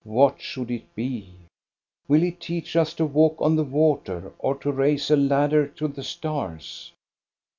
What should it be ? Will he teach us to walk on the water, or to raise a ladder to the stars?